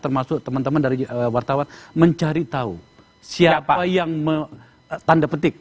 termasuk teman teman dari wartawan mencari tahu siapa yang tanda petik